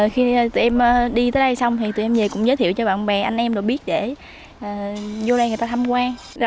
khi tụi em đi tới đây xong thì tụi em về cũng giới thiệu cho bạn bè anh em được biết để vô đây người ta tham quan